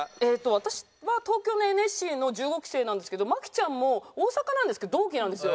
私は東京のＮＳＣの１５期生なんですけど麻貴ちゃんも大阪なんですけど同期なんですよ。